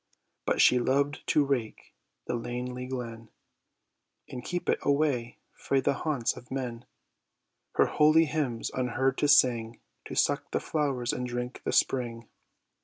But she loved to raike the lanely glen, And keepit away frae the haunts of men; Her holy hymns unheard to sing, To suck the flowers, and drink the spring.